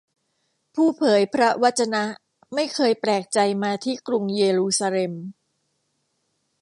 ผู้เผยพระวจนะไม่เคยแปลกใจมาที่กรุงเยรูซาเล็ม